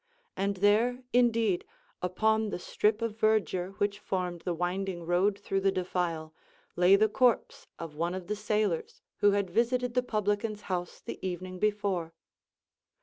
And there, indeed, upon the strip of verdure which formed the winding road through the defile, lay the corpse of one of the sailors who had visited the publican's house the evening before.